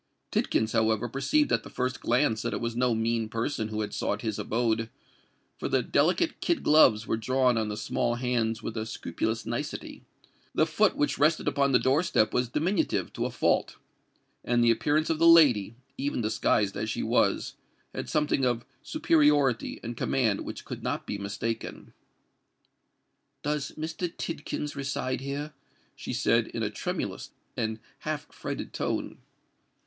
Tidkins, however, perceived at the first glance that it was no mean person who had sought his abode; for the delicate kid gloves were drawn on the small hands with a scrupulous nicety; the foot which rested upon the door step was diminutive to a fault; and the appearance of the lady, even disguised as she was, had something of superiority and command which could not be mistaken. "Does Mr. Tidkins reside here?" she said, in a tremulous and half affrighted tone.